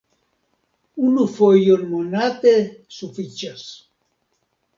Unu fojon monate sufiĉas!